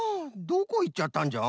どこいっちゃったんじゃ？